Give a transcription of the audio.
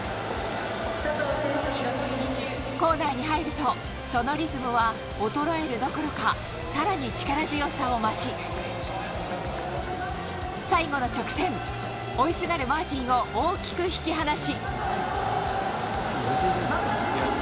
コーナーに入るとそのリズムは衰えるどころか、さらに力強さを増し最後の直線、追いすがるマーティンを大きく引き離し。